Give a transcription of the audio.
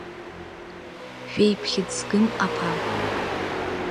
Шәиԥхьыӡ згым аԥа!